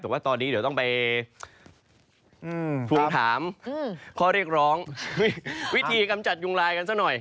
แต่ว่าตอนนี้เดี๋ยวต้องไปทวงถามข้อเรียกร้องวิธีกำจัดยุงลายกันซะหน่อย